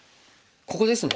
ここですね。